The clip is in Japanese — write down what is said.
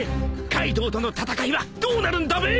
カイドウとの戦いはどうなるんだべ？